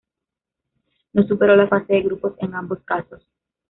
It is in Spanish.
No superó la fase de grupos en ambos casos.